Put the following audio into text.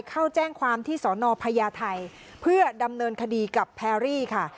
เข้าแจ้งความที่สอนอพญาไทยเพื่อดำเนินคดีกับแพรรี่ค่ะ